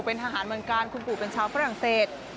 เป็นทหารบรรกาลคุณปู่เป็นชาวฝรั่งเศส